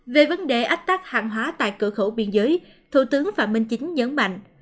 về vấn đề ách tắc hạng hóa tại cửa khẩu biên giới thủ tướng và minh chính nhấn mạnh